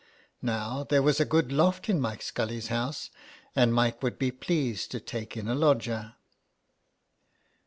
Now there was a good loft in Mike Scully's house, and Mike would be pleased to take in a lodger.